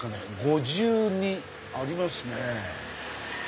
「５２」ありますね。